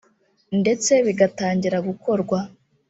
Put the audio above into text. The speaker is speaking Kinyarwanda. ndetse bigatangira gukorwa